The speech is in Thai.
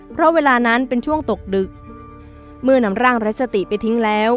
เพราะเวลานั้นเป็นช่วงตกดึกเมื่อนำร่างไร้สติไปทิ้งแล้ว